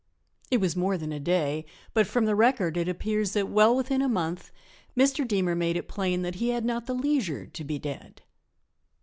It was more than a day, but from the record it appears that well within a month Mr. Deemer made it plain that he had not the leisure to be dead.